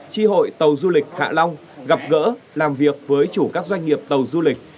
tri hội tàu du lịch hạ long gặp gỡ làm việc với chủ các doanh nghiệp tàu du lịch